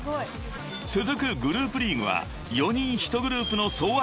［続くグループリーグは４人１グループの総当たり戦］